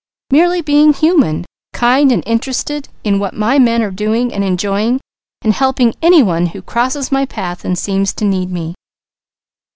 Merely being human, kind and interested in what my men are doing and enjoying, and helping any one who crosses my path and seems to need me.